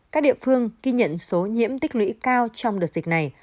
các địa phương ghi nhận số nhiễm tích lũy cao trong đợt dịch này